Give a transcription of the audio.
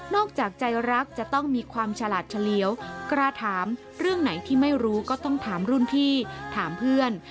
จากใจรักจะต้องมีความฉลาดเฉลียวกล้าถามเรื่องไหนที่ไม่รู้ก็ต้องถามรุ่นพี่ถามเพื่อน